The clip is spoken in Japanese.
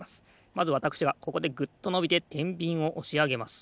まずわたくしがここでグッとのびててんびんをおしあげます。